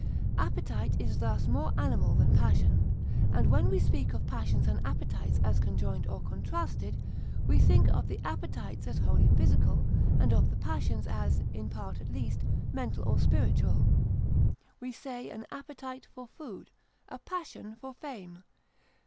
Appetite is thus more animal than passion; and when we speak of passions and appetites as conjoined or contrasted, we think of the appetites as wholly physical and of the passions as, in part at least, mental or spiritual. We say an appetite for food, a passion for fame.